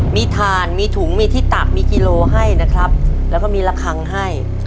มีถ่านมีถุงมีที่ตักมีกิโลให้นะครับแล้วก็มีระคังให้